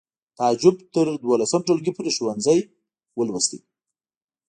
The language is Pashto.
تعجب تر دولسم ټولګي پورې ښوونځی ولوست